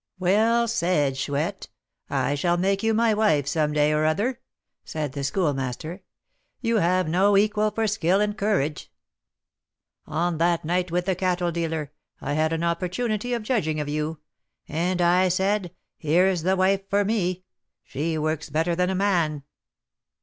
"Well said, Chouette; I shall make you my wife some day or other," said the Schoolmaster; "you have no equal for skill and courage. On that night with the cattle dealer, I had an opportunity of judging of you; and I said, 'Here's the wife for me; she works better than a man.'"